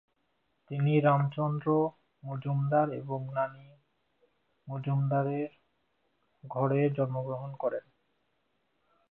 তিনি রামচন্দ্র মজুমদার এবং নানী মজুমদারের ঘরে জন্মগ্রহণ করেন।